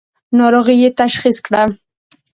ناروغۍ یې تشخیص کړه.